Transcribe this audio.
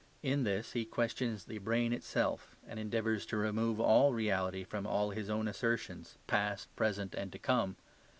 In this he questions the brain itself, and endeavours to remove all reality from all his own assertions, past, present, and to come.